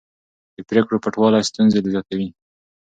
د پرېکړو پټوالی ستونزې زیاتوي